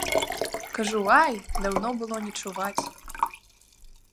Кажу, ай, даўно было не чуваць.